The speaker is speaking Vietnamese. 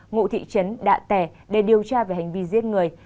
ngụ thị trấn đạ tẻ để điều tra về hành vi giết người